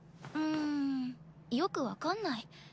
うんよく分かんない。